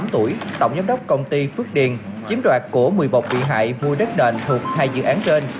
một mươi tám tuổi tổng giám đốc công ty phước điền chiếm đoạt của một mươi một bị hại mua đất nền thuộc hai dự án trên